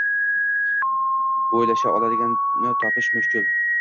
Bo’ylasha oladiganini topish mushkul.